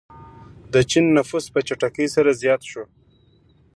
د چین نفوس په چټکۍ سره زیات شو.